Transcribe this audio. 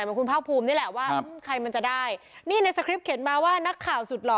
เหมือนคุณภาคภูมินี่แหละว่าใครมันจะได้นี่ในสคริปตเขียนมาว่านักข่าวสุดหล่อ